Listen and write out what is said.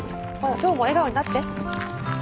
腸も笑顔になって。